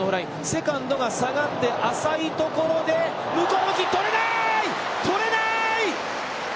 セカンドが下がって浅いところでむこう向き、捕れない！